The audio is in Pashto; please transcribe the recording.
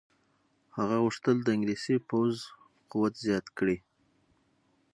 هغه غوښتل د انګلیسي پوځ قوت زیات کړي.